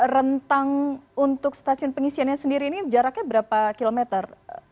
rentang untuk stasiun pengisiannya sendiri ini jaraknya berapa kilometer